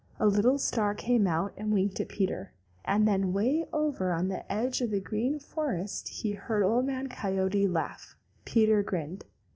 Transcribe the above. A little star came out and winked at Peter, and then way over on the edge of the Green Forest he heard Old Man Coyote laugh. Peter grinned.